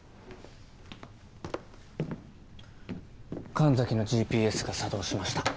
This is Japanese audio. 神崎のＧＰＳが作動しました。